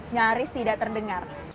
nyaris tidak terdengar